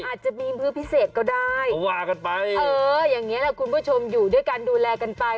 อาจจะมีมื้อพิเศษก็ได้ก็ว่ากันไปเอออย่างนี้แหละคุณผู้ชมอยู่ด้วยกันดูแลกันไป